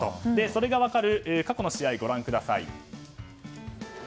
それが分かる過去の試合ご覧ください。